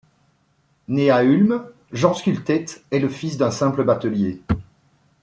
Né à Ulm, Jean Scultet est le fils d'un simple batelier.